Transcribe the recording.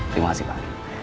terima kasih pak